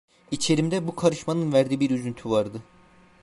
İçerimde bu karışmanın verdiği bir üzüntü vardı.